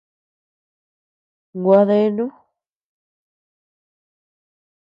Gua deanu.